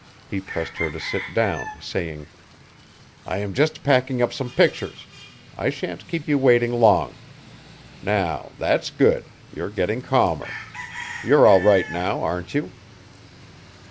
He pressed her to sit down, saying: "I am just packing up some pictures. I shan't keep you waiting long. Now, that's good; you're getting calmer. You're all right now, aren't you?"